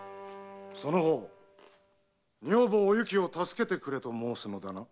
その方女房おゆきを助けてくれと申すのだな。